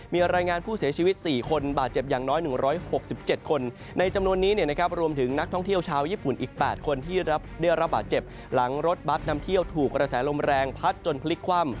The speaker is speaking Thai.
มีรายงานผู้เสียชีวิต๔คนบาดเจ็บอย่างน้อย๑๖๗คนในจำนวนนี้รวมถึงนักท่องเที่ยวชาวญี่ปุ่นอีก๘คนที่ได้รับบาดเจ็บหลังรถบัตรนำเที่ยวถูกกระแสลมแรงพัดจนพลิกคว่ำ